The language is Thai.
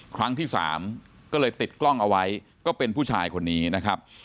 ครั้งที่สามก็เลยติดกล้องเอาไว้ก็เป็นผู้ชายคนนี้นะครับ